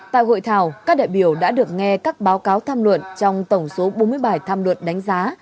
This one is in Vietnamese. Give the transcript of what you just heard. tại hội thảo các đại biểu đã được nghe các báo cáo tham luận trong tổng số bốn mươi bài tham luận đánh giá